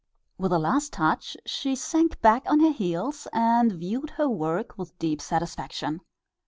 With a last touch she sank back on her heels and viewed her work with deep satisfaction.